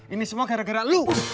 ini semua gara gara lu